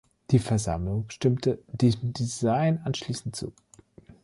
Die Versammlung stimmte diesem Design anschließend zu.